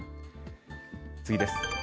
次です。